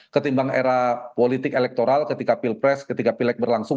ketimbang era politik elektoral ketika pilpres ketika pilek berlangsung